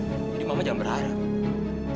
jadi mama jangan berharap